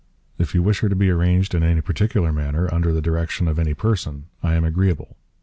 If you wish her to be arranged in any particular manner under the direction of any Person, I am agreeable.